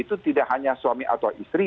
itu tidak hanya suami atau istri